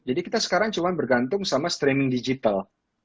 jadi kita sekarang cuma bergantung sama streaming digital